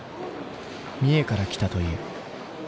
三重から来たという。